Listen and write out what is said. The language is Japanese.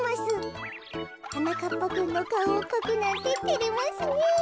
はなかっぱくんのかおをかくなんててれますねえ。